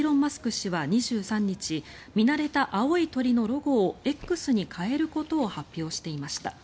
氏は２３日見慣れた青い鳥のロゴをＸに変えることを発表していました。